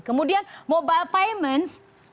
kemudian mobile payments